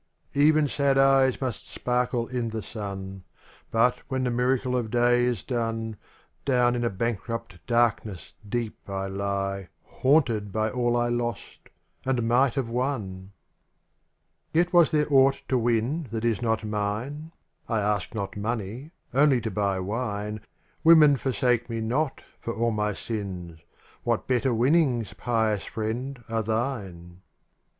TN sad eyes must sparkle in the sun. But, when the miracle of day is done, Down in a bankrupt darkness deep I lie Haunted by all I lost — and might have won ! 3ET was there aught to win that is not mine ? I ask not money — only to buy wine : Women forsake me not, for all my sins — What better winnings, pious friend, are thine